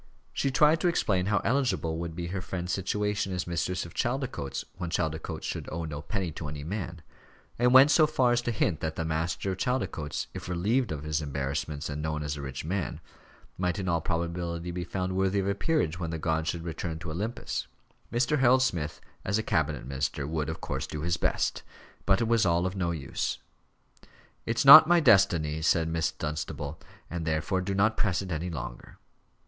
She tried to explain how eligible would be her friend's situation as mistress of Chaldicotes, when Chaldicotes should owe no penny to any man: and went so far as to hint that the master of Chaldicotes, if relieved of his embarrassments and known as a rich man, might in all probability be found worthy of a peerage when the gods should return to Olympus. Mr. Harold Smith, as a cabinet minister, would, of course, do his best. But it was all of no use. "It's not my destiny," said Miss Dunstable, "and therefore do not press it any longer."